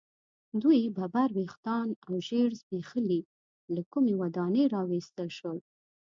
دوی ببر ویښتان او ژیړ زبیښلي له کومې ودانۍ را ویستل شول.